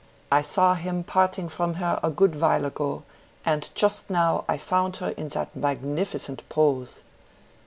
I saw him parting from her a good while ago, and just now I found her in that magnificent pose.